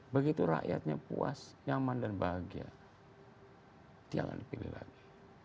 begitu rakyatnya puas nyaman dan bahagia jangan dipilih lagi